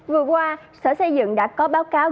vừa qua sở xây dựng đã có báo cáo